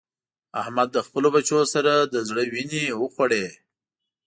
احمد له خپلو بچو سره د زړه وينې وخوړې.